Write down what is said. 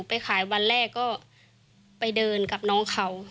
ไปขายวันแรกก็ไปเดินกับน้องเขา